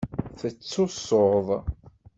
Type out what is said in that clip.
Tettusuḍ?